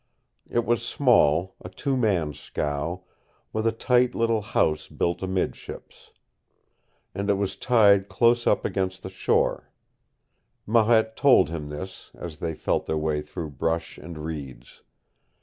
It was small, a two man scow, with a tight little house built amidships. And it was tied close up against the shore. Marette told him this as they felt their way through brush and reeds.